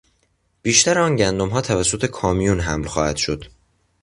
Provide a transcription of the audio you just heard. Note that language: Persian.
بیشتر آن گندمها توسط کامیون حمل خواهد شد.